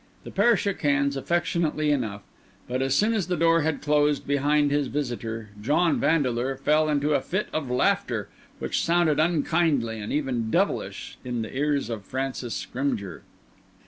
The pair shook hands affectionately enough; but as soon as the door had closed behind his visitor, John Vandeleur fell into a fit of laughter which sounded unkindly and even devilish in the ears of Francis Scrymgeour.